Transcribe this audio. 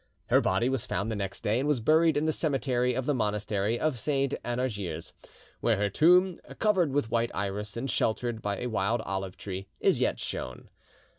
Her body was found the next day, and was buried in the cemetery of the monastery of Saints Anargyres, where her tomb, covered with white iris and sheltered by a wild olive tree, is yet shown.